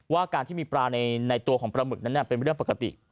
ว่าการที่มีปลาในตัวของปลาหมึกนั้นเป็นเรื่องปกติ